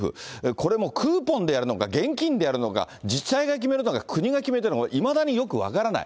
これもクーポンでやるのか、現金でやるのか、自治体が決めるのか、国が決めるのか、いまだによく分からない。